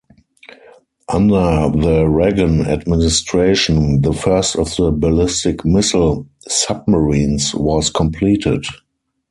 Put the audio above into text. Under the Reagan Administration, the first of the ballistic missile submarines was completed.